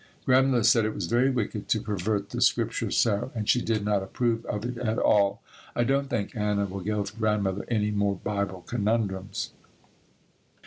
Grandmother said it was very wicked to pervert the Scripture so, and she did not approve of it at all. I don't think Anna will give Grandmother any more Bible conundrums.